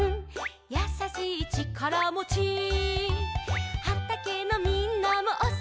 「やさしいちからもち」「はたけのみんなもおそろいね」